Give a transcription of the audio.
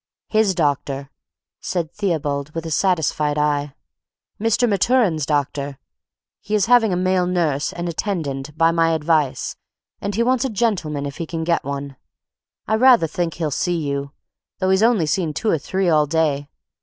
"His doctor," said Theobald, with a satisfied eye. "Mr. Maturin's doctor. He is having a male nurse and attendant by my advice, and he wants a gentleman if he can get one. I rather think he'll see you, though he's only seen two or three all day.